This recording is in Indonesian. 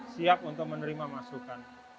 siap untuk menerima masukan